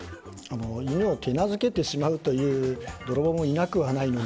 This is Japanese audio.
犬を手なずけてしまうという泥棒もいなくはないので。